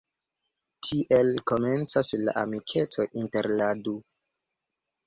Tiel komencas la amikeco inter la du.